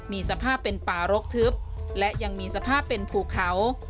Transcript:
มีสภาพเป็นป่ารกทึบและยังมีสภาพเป็นภูเขา